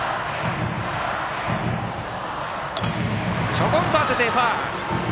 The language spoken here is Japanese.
ちょこんと当てて、ファウル。